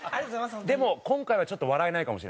でも今回はちょっと笑えないかもしれない。